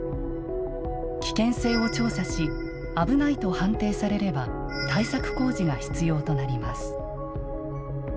危険性を調査し危ないと判定されれば対策工事が必要となります。